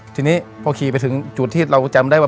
ทีนี้พอขี่ไปถึงจุดที่เราจำได้ว่า